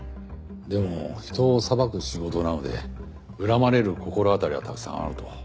でも人を裁く仕事なので恨まれる心当たりはたくさんあると。